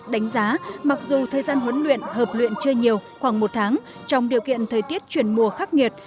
đánh giá mặc dù thời gian huấn luyện hợp luyện chưa nhiều khoảng một tháng trong điều kiện thời tiết chuyển mùa khắc nghiệt